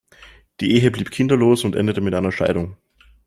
Die Ehe blieb kinderlos und endete mit einer Scheidung.